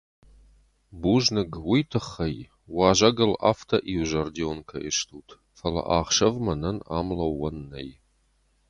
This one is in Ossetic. Бузныг уый тыххӕй, уазӕгыл афтӕ иузӕрдион кӕй стут, фӕлӕ ахсӕв мӕнӕн ам лӕууӕн нӕй.